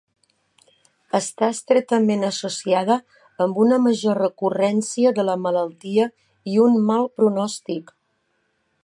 Està estretament associada amb una major recurrència de la malaltia i un mal pronòstic.